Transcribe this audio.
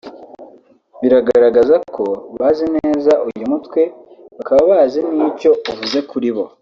biragaraza ko bazi neza uyu mutwe baka bazi n’icyo uvuze kuri bo